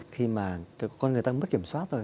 khi mà con người ta mất kiểm soát rồi